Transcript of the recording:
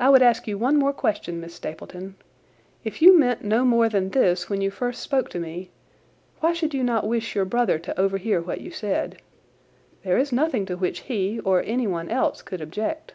"I would ask you one more question, Miss Stapleton. If you meant no more than this when you first spoke to me, why should you not wish your brother to overhear what you said? There is nothing to which he, or anyone else, could object."